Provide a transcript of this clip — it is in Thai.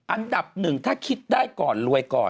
อันดับหนึ่งถ้าคิดได้ก่อนรวยก่อน